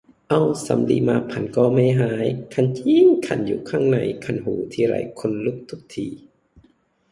เอาสำลีมาพันก็ไม่หาย คันจริ๊ง คันอยู่ข้างใน คันหูทีไรขนลุกทุกที